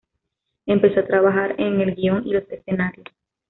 Empezó a trabajar en el guion y los escenarios.